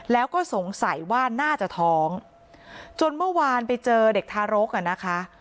แล้วก็สงสัยว่าน่าจะท้องจนเมื่อวานไปเจอเด็กทารกอ่ะนะคะ